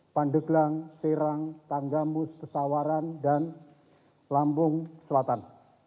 pandeglang serang tanggamos ketawaran dan lampung selatan